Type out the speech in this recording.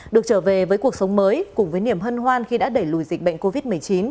được trở về với cuộc sống mới cùng với niềm hân hoan khi đã đẩy lùi dịch bệnh covid một mươi chín